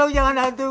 abang si deden